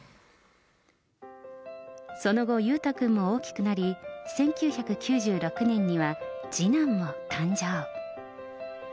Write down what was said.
その後、裕太君も大きくなり、１９９６年には、次男も誕生。